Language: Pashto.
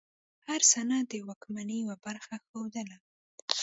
هر سند د واکمنۍ یوه برخه ښودله.